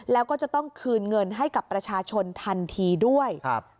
แล้วก็จะต้องคืนเงินให้กับประชาชนทันทีด้วย